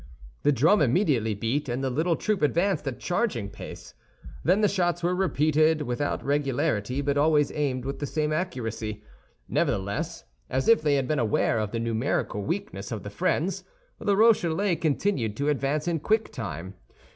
The drum immediately beat, and the little troop advanced at charging pace. Then the shots were repeated without regularity, but always aimed with the same accuracy. Nevertheless, as if they had been aware of the numerical weakness of the friends, the Rochellais continued to advance in quick time.